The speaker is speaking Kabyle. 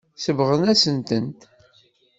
Sebɣen-asen-tent.